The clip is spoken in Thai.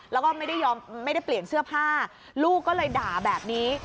แล้วก็ไม่ได้ยอมไม่ได้เปลี่ยนเสื้อผ้าลูกก็เลยด่าแบบนี้